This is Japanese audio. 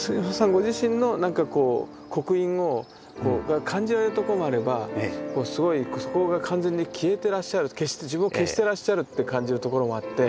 ご自身の何かこう刻印が感じられるところもあればすごいそこが完全に消えてらっしゃる自分を消してらっしゃるって感じるところもあって。